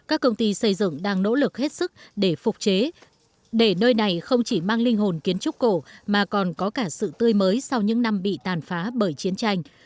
các công ty xây dựng đang nỗ lực hết sức để phục chế để nơi này không chỉ mang linh hồn kiến trúc cổ mà còn có cả sự tươi mới sau những năm bị tàn phá bởi chiến tranh